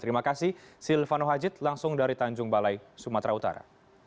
terima kasih silvano hajid langsung dari tanjung balai sumatera utara